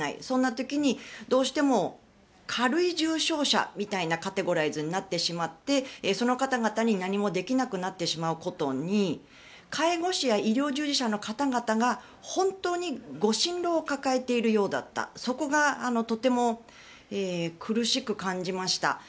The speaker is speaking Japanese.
そんな時に、どうしても軽い重症者みたいなカテゴライズになってしまってその方々に何もできなくなってしまうことに介護士や医療従事者の方々が本当にご心労を抱えているようだったそこがとても苦しく感じました。